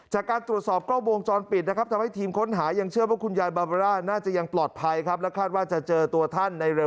จากการตรวจสอบกล้าววงค์จอนปิดนะครับทำให้ทีมค้นหายังเชื่อว่าคุณยายบับเบอรา